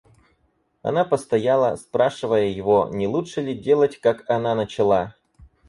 Она постояла, спрашивая его, не лучше ли делать, как она начала.